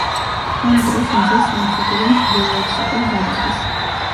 ამ დროს მზე სამხრეთიდან ჩრდილოეთისაკენ გადადის.